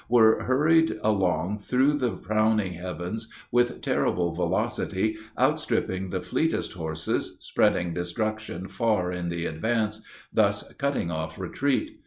were hurried along through the frowning heavens with terrible velocity, outstripping the fleetest horses, spreading destruction far in the advance, thus cutting off retreat.